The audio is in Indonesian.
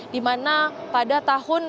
dimana pada tahun